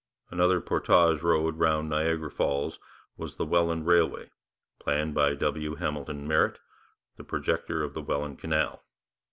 Another portage road round Niagara Falls was the Welland Railway, planned by W. Hamilton Merritt, the projector of the Welland Canal.